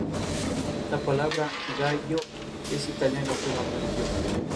Es conocida por la producción de tabaco.